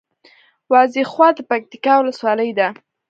وازېخواه د پکتیکا ولسوالي ده